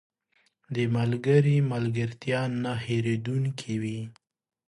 • د ملګري ملګرتیا نه هېریدونکې وي.